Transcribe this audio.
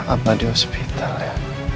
apa di hospital ya